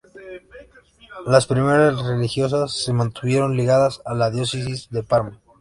Las primeras religiosas se mantuvieron ligadas a la diócesis de Parma.